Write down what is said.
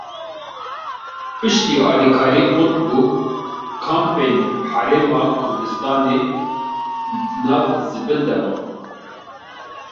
Piştî alîkarî qut bû, kampên Herêma Kurdistanê di nav zibil de man.